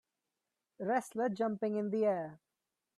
Wrestler jumping in the air.